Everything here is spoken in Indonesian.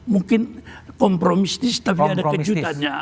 mungkin kompromistis tapi ada kejutannya